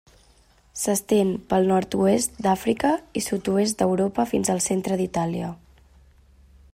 S'estén pel nord-oest d'Àfrica i sud-oest d'Europa fins al centre d'Itàlia.